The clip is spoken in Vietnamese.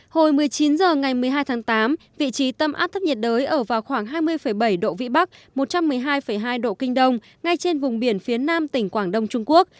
hồi một mươi chín h ngày một mươi hai tháng tám vị trí tâm áp thấp nhiệt đới ở vào khoảng hai mươi bảy độ vĩ bắc một trăm một mươi hai hai độ kinh đông ngay trên vùng biển phía nam tỉnh quảng đông trung quốc